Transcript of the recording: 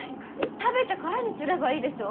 食べてからにすればいいでしょ？